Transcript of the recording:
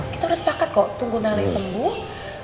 kita udah sepakat kok tunggu nailah sembuh